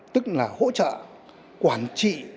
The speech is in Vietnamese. tức là hỗ trợ quản trị